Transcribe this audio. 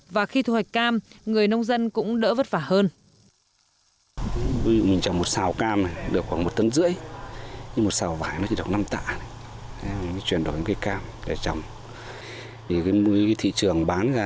và khi thu hoạch cam người nông dân cũng đỡ vất vả hơn